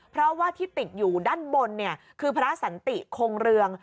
เพราะว่าที่ติดอยู่ด้านบนคือพระสันติคงเรือง